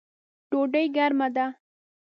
ډوډۍ ګرمه ده